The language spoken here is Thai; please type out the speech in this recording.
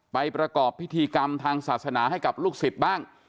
ประกอบพิธีกรรมทางศาสนาให้กับลูกศิษย์บ้าง